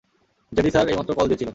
JD sir এইমাত্র call দিয়েছিল।